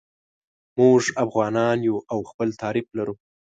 موږ افغانان یو او خپل تعریف لرو.